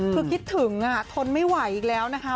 คือคิดถึงทนไม่ไหวอีกแล้วนะคะ